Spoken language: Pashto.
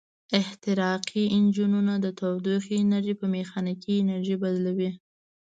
احتراقي انجنونه د تودوخې انرژي په میخانیکي انرژي بدلوي.